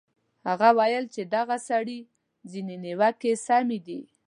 هغه ویل چې د دغه سړي ځینې نیوکې سمې دي.